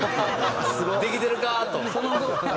「できてるか？」と。